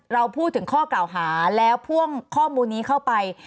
เราพูดถึงข้อกล่าวหาแล้วพ่วงข้อมูลนี้เข้าไป